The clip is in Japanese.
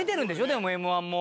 でもＭ−１も。